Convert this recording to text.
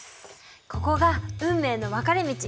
ここが運命の分かれ道！